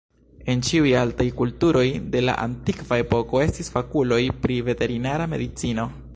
En ĉiuj altaj kulturoj de la antikva epoko estis fakuloj pri veterinara medicino.